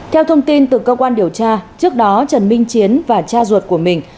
theo thông tin từ cơ quan điều tra trước đó trần minh chiến và cha ruột của mình